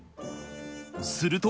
すると。